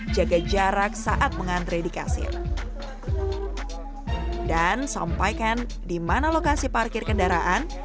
jaga jarak saat mengantre di kasir dan sampaikan di mana lokasi parkir kendaraan